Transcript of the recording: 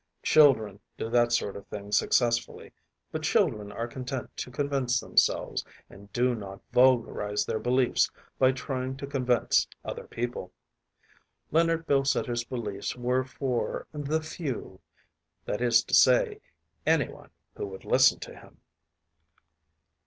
Children do that sort of thing successfully, but children are content to convince themselves, and do not vulgarise their beliefs by trying to convince other people. Leonard Bilsiter’s beliefs were for “the few,‚ÄĚ that is to say, anyone who would listen to him.